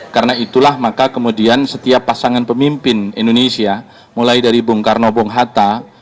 karena itulah maka kemudian setiap pasangan pemimpin indonesia mulai dari bung karno bung hatta